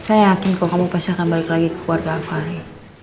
saya yakin kalau kamu pasti akan balik lagi ke keluarga aku hari